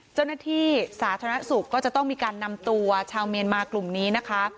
เจ้าหน้าที่สาธารณสุขก็จะต้องมีการนำตัวชาวเมียนมากลุ่มนี้นะคะ